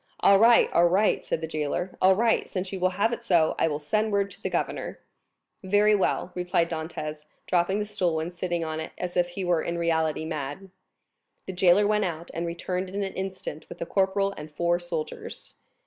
"All right, all right," said the jailer; "all right, since you will have it so. I will send word to the governor." "Very well," returned Dantès, dropping the stool and sitting on it as if he were in reality mad. The jailer went out, and returned in an instant with a corporal and four soldiers.